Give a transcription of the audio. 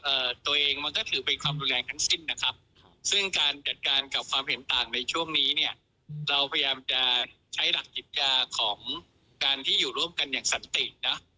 ตัวเองมันก็ถือเป็นความรุนแรงทั้งสิ้นนะครับซึ่งการจัดการกับความเห็นต่างในช่วงนี้เนี่ยเราพยายามจะใช้หลักจิตยาของการที่อยู่ร่วมกันอย่างสันตินะ